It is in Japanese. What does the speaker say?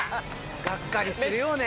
がっかりするよね